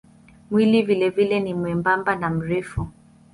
Mwili vilevile ni mwembamba na mrefu.